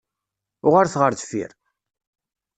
Uɣalet ɣer deffir!